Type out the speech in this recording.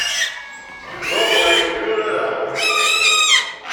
Yuba ur iḥemmel urar-a.